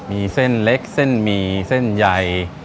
มีเส้นเล็กเส้นมีเส้นใย